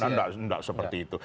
nah enggak seperti itu